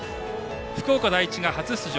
福岡第一が初出場。